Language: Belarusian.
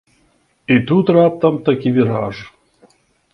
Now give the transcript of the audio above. І тут раптам такі віраж.